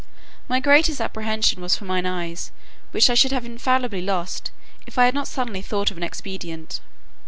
My greatest apprehension was for my eyes, which I should have infallibly lost, if I had not suddenly thought of an expedient.